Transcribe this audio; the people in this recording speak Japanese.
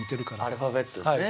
アルファベットですね。